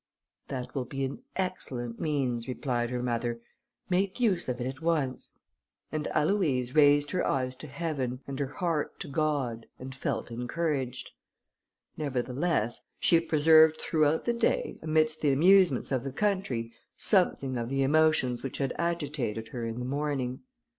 "That will be an excellent means," replied her mother, "make use of it at once;" and Aloïse raised her eyes to heaven and her heart to God, and felt encouraged. Nevertheless she preserved throughout the day, amidst the amusements of the country, something of the emotions which had agitated her in the morning.